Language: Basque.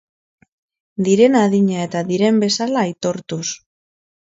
Diren adina eta diren bezala aitortuz.